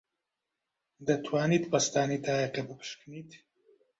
دەتوانیت پەستانی تایەکە بپشکنیت؟